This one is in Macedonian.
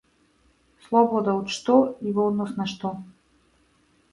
Слобода од што и во однос на што?